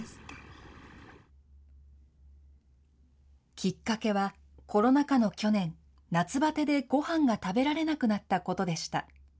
きっかけはコロナ禍の去年、夏ばてでごはんが食べられなくなったことでした。